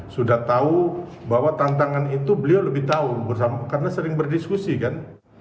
sudah tahu bahwa tantangan itu beliau lebih tahu karena sering berdiskusi kan